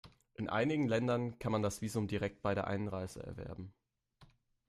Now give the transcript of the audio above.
In einigen Ländern kann man das Visum direkt bei der Einreise erwerben.